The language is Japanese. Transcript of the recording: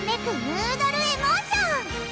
ヌードル・エモーション！